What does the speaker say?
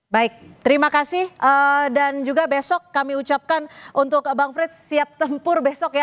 baik terima kasih dan juga besok kami ucapkan untuk bang frits siap tempur besok ya